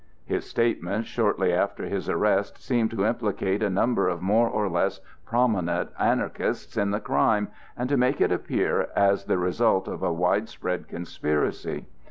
His statements shortly after his arrest seemed to implicate a number of more or less prominent Anarchists in the crime and to make it appear as the result of a widespread conspiracy.